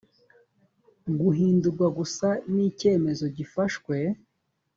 guhindurwa gusa n’icyemezo gifashwe